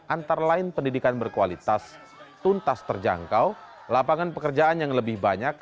antara lain pendidikan berkualitas tuntas terjangkau lapangan pekerjaan yang lebih banyak